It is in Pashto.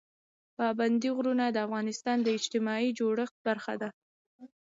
پابندی غرونه د افغانستان د اجتماعي جوړښت برخه ده.